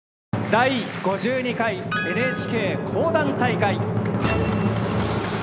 「第５２回ＮＨＫ講談大会」。